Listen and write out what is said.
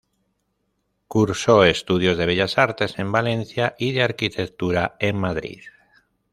Cursó estudios de bellas artes en Valencia y de arquitectura en Madrid.